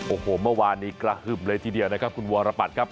โอ้โหเมื่อวานนี้กระหึ่มเลยทีเดียวนะครับคุณวรปัตรครับ